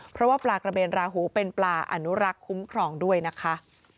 เพราะว่าปลากระเบนราหูเป็นปลาอนุรักษ์คุ้มครองด้วยนะคะ